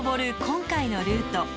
今回のルート。